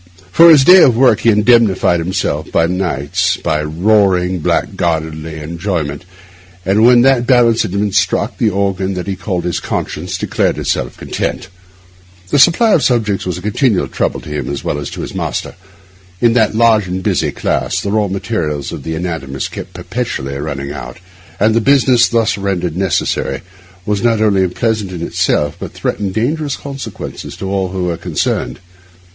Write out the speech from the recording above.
For his day of work he indemnified himself by nights of roaring, blackguardly enjoyment; and when that balance had been struck, the organ that he called his conscience declared itself content. The supply of subjects was a continual trouble to him as well as to his master. In that large and busy class, the raw material of the anatomists kept perpetually running out; and the business thus rendered necessary was not only unpleasant in itself, but threatened dangerous consequences to all who were concerned.